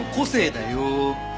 「だよ」